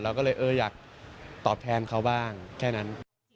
เราก็เลยเอออยากตอบแทนเขาบ้างแค่นั้น